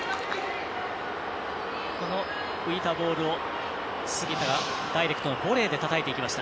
この浮いたボールを杉田がダイレクトにボレーでたたいていきました。